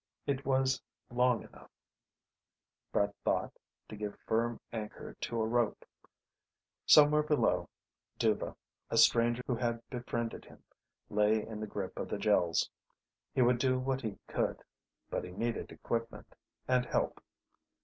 It was long enough, Brett thought, to give firm anchor to a rope. Somewhere below, Dhuva a stranger who had befriended him lay in the grip of the Gels. He would do what he could but he needed equipment and help.